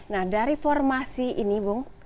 nah dari formasi ini bung